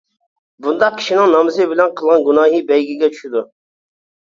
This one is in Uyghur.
بۇنداق كىشىنىڭ نامىزى بىلەن قىلغان گۇناھى بەيگىگە چۈشىدۇ.